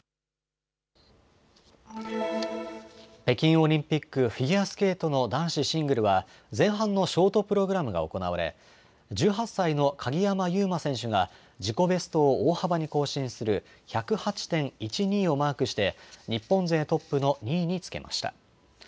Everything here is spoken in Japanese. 北京オリンピックフィギュアスケートの男子シングルは、前半のショートプログラムが行われ、１８歳の鍵山優真選手が自己ベストを大幅に更新する１０８．１２をマークして、日本勢トップの２位につけました。